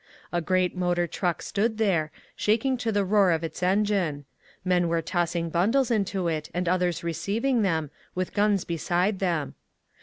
A great motor truck stood there, shaking to the roar of its engine. Men were tossing bundles into it, and others receiving them, with guns beside them.